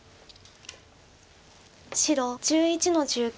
白１１の十九。